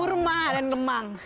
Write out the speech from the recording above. kurma dan lemang